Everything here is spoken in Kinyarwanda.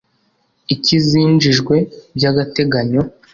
icy’izinjijwe byagateganyo